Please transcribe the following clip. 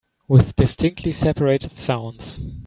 With distinctly separated sounds.